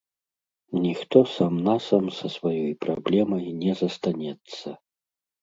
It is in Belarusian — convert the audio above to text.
Ніхто сам-насам са сваёй праблемай не застанецца.